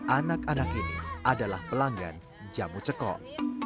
anak anak ini adalah pelanggan jamu cekok